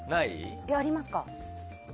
ありますか？